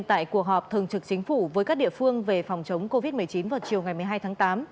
tại cuộc họp thường trực chính phủ với các địa phương về phòng chống covid một mươi chín vào chiều ngày một mươi hai tháng tám